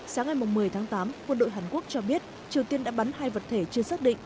sáng ngày một mươi tháng tám quân đội hàn quốc cho biết triều tiên đã bắn hai vật thể chưa xác định